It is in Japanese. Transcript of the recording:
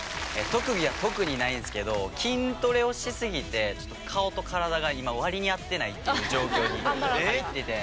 特技は特にないんですけど筋トレをしすぎてちょっと顔と体が今割に合ってないっていう状況に入ってて。